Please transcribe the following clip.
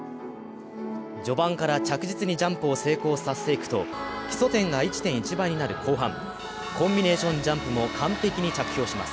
序盤から着実にジャンプを成功させていくと、基礎点が１．１倍になる後半、コンビネーションジャンプも完璧に着氷します。